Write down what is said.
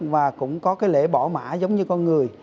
và cũng có cái lễ bỏ mã giống như con người